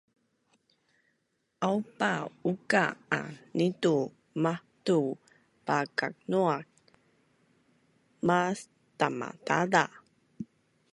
aupa uka a nitu mahtu palkaknuan mas Tamadaza